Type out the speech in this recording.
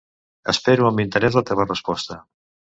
Espero amb interès la teva resposta.